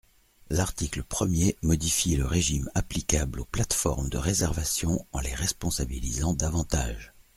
L’article premier modifie le régime applicable aux plateformes de réservation en les responsabilisant davantage.